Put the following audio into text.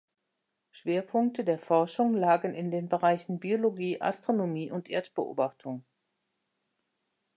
Schwerpunkte der Forschung lagen in den Bereichen Biologie, Astronomie und Erdbeobachtung.